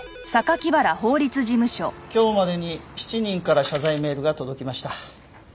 今日までに７人から謝罪メールが届きました。